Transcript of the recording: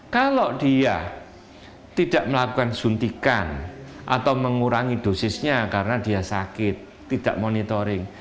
kalau dia tidak melakukan suntikan atau mengurangi dosisnya karena dia sakit tidak monitoring